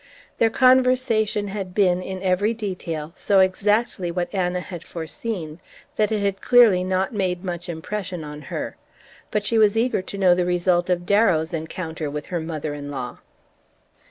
Their conversation had been, in every detail, so exactly what Anna had foreseen that it had clearly not made much impression on her; but she was eager to know the result of Darrow's encounter with her mother in law.